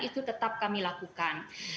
itu tetap kami lakukan